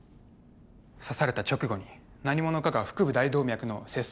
刺された直後に何者かが腹部大動脈の切創